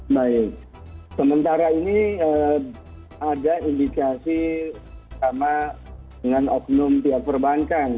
baik sementara ini ada indikasi sama dengan oknum pihak perbankan